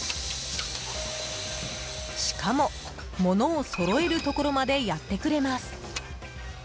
しかもものをそろえるところまでやってくれます。